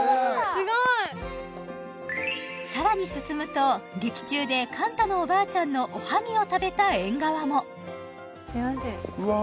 すごい！さらに進むと劇中でカンタのおばあちゃんのおはぎを食べた縁側もすいませんうわ